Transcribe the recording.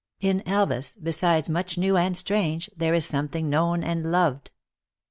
In Elvas, besides much new and strange, there is something known and loved.